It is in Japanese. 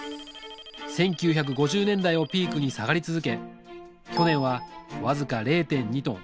１９５０年代をピークに下がり続け去年は僅か０．２トン。